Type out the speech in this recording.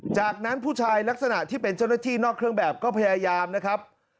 จากนั้นผู้ชายลักษณะที่เป็นเจ้าหน้าที่นอกเครื่องแบบก็พยายามนะครับ